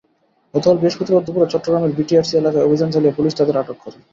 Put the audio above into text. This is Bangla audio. গতকাল বৃহস্পতিবার দুপুরে চট্টগ্রামের বিটিআরটিসি এলাকায় অভিযান চালিয়ে পুলিশ তাদের আটক করে।